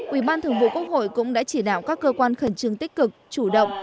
ủy ban thường vụ quốc hội cũng đã chỉ đạo các cơ quan khẩn trương tích cực chủ động